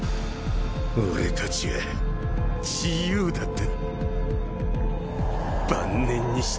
俺たちは自由だった。